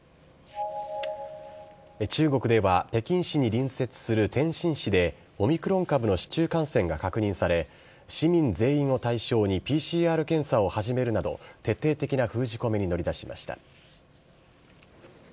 中国では、北京市に隣接する天津市で、オミクロン株の市中感染が確認され、市民全員を対象にＰＣＲ検査を始めるなど、徹底的な封じ込めに乗り出しました。